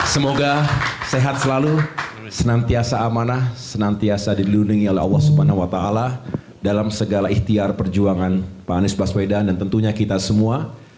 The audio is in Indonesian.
semoga sehat selalu senantiasa amanah senantiasa dilindungi oleh allah swt dalam segala ikhtiar perjuangan pak anies baswedan dan tentunya kita semua